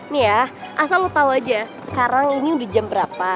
nih ya asal lo tau aja sekarang ini udah jam berapa